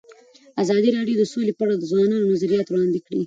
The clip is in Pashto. ازادي راډیو د سوله په اړه د ځوانانو نظریات وړاندې کړي.